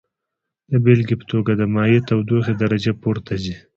د بیلګې په توګه د مایع تودوخې درجه پورته ځي.